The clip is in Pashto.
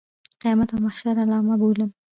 د قیامت او محشر علامه بولم.